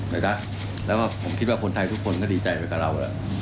แล้วก็ผมคิดว่าคนไทยทุกคนก็ดีใจไปกับเรา